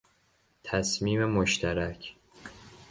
تصمیم مشترک